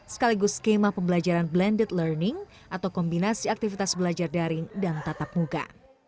sekaligus skema pembelajaran blended learning atau kombinasi aktivitas belajar daring dan tatap muka